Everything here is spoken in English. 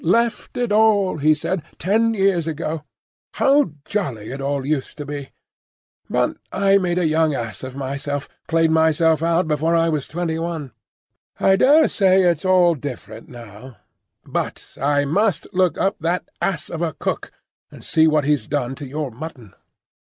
"Left it all," he said, "ten years ago. How jolly it all used to be! But I made a young ass of myself,—played myself out before I was twenty one. I daresay it's all different now. But I must look up that ass of a cook, and see what he's done to your mutton."